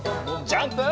ジャンプ！